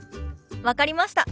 分かりました。